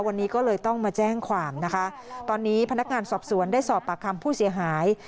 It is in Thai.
วันนี้ก็เลยต้องมาแจ้งความนะคะตอนนี้พนักงานสอบสวนได้สอบปากคำผู้เสียหาย